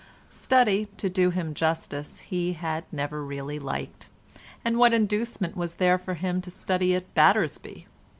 Study, to do him justice, he had never really liked, and what inducement was there for him to study at Battersby?